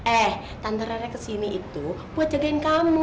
eh tante rere kesini itu buat jagain kamu